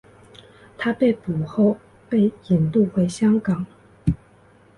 他被捕后被引渡回香港。